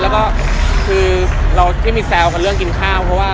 ยังไม่ได้เคยคิดเรื่องนั้นดิ